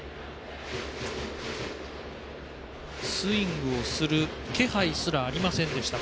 スイングをする気配すらありませんでした。